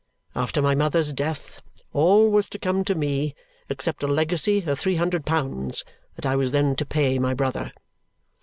After my mother's death, all was to come to me except a legacy of three hundred pounds that I was then to pay my brother.